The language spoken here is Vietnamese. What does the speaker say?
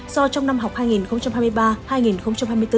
do trong năm học hai nghìn hai mươi ba hai nghìn hai mươi bốn